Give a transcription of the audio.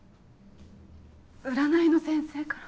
占いの先生から。